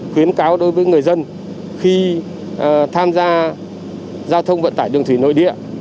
khuyến cáo đối với người dân khi tham gia giao thông vận tải đường thủy nội địa